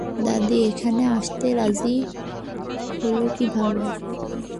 দাদি এখানে আসতে রাজি হলো কিভাবে?